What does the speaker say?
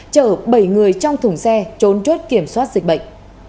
chở bảy người trong thùng xe trốn chốt kiểm soát dịch bệnh